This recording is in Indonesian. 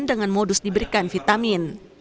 dengan modus diberikan vitamin